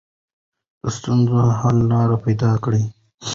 د ستونزو حل لارې پیدا کړئ.